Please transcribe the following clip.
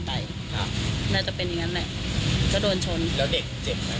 ไปค่ะน่าจะเป็นอย่างงั้นแหละก็โดนชนแล้วเด็กเจ็บไหม